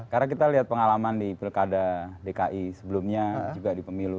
karena kita lihat pengalaman di pilkada dki sebelumnya juga di pemilu dua ribu empat belas